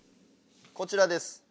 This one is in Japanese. こちらです。